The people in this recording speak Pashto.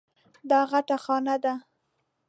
دا غټه خانه ده.